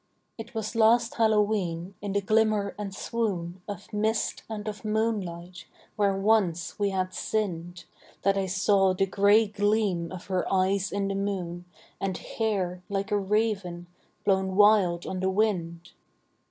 It was last Hallowe'en in the glimmer and swoon Of mist and of moonlight, where once we had sinned, That I saw the gray gleam of her eyes in the moon, And hair, like a raven, blown wild on the wind.